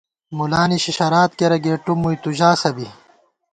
مُلا نِشی شراد کېرہ گېٹُم مُوئی تُو ژاسہ بی